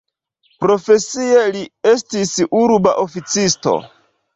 Profesie li estis urba oficisto.